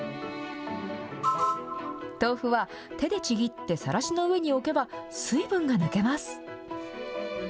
豆腐は手でちぎってさらしの上に置けば、水分が抜けます。